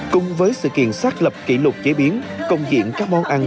cùng với sự kiện xác lập kỷ lục chế biến công diễn các món ăn